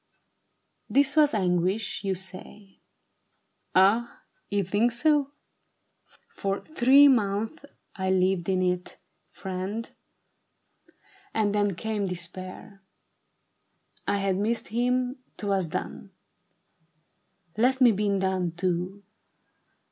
" This was anguish, you say. Ah, you think so ? For three months I lived in it, friend, And then came despair. I had missed him — 'twas done : Let me be done, too.